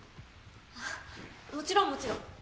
あっもちろんもちろん。